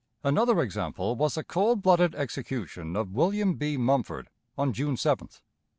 Another example was the cold blooded execution of William B. Mumford on June 7th.